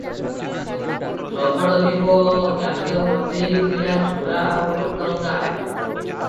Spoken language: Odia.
ଲକଡ଼ ଦ୍ୱୀପ ଜାହାଜ ବୋଝେଇ ଥିଲା ଚୁଡ଼ା ଆଉ ଭାତରନ୍ଧା ହାଣ୍ଡି ।